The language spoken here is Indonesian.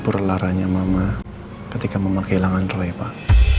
pur laranya mama ketika mama kehilangan roy pak